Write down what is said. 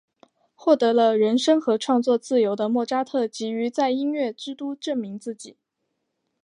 获得了人生和创作自由的莫扎特急于在音乐之都证明自己。